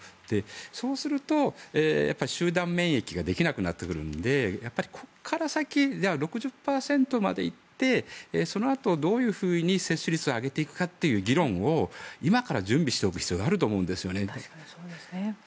そうすると集団免疫ができなくなってくるのでやっぱりここから先６０％まで行ってそのあとどういうふうに接種率を上げていくかという議論を今から準備しておく必要があると思うんですね。